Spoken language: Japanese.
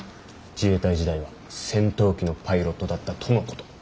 自衛隊時代は戦闘機のパイロットだったとのこと。